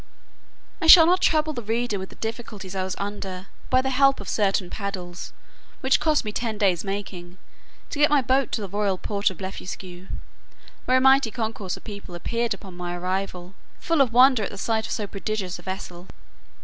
I shall not trouble the reader with the difficulties I was under, by the help of certain paddles, which cost me ten days making, to get my boat to the royal port of Blefuscu, where a mighty concourse of people appeared upon my arrival, full of wonder at the sight of so prodigious a vessel.